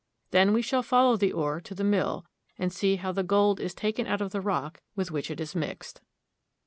Then we shall follow the ore to the mill, and see how the gold is taken out of the rock with which it is mixed.